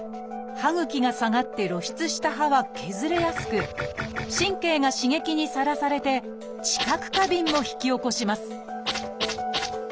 歯ぐきが下がって露出した歯は削れやすく神経が刺激にさらされて「知覚過敏」も引き起こします